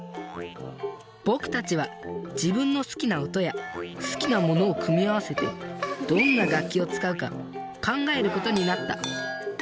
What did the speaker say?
僕たちは自分の好きな音や好きなモノを組み合わせてどんな楽器を使うか考えることになった。